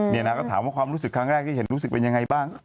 นี่นะก็ถามว่าความรู้สึกครั้งแรกที่เห็นรู้สึกเป็นยังไงบ้าง